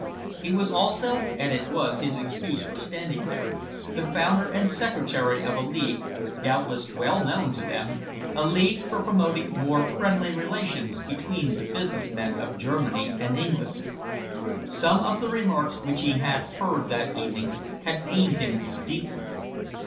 He was also, and it was his excuse for standing there, the founder and secretary of a league, doubtless well known to them, a league for promoting more friendly relations between the business men of Germany and England. Some of the remarks which he had heard that evening had pained him deeply.